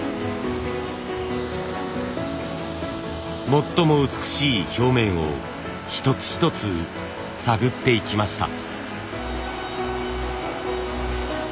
最も美しい表面を一つ一つ探っていきました。